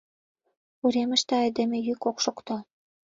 Уремыште айдеме йӱк ок шокто.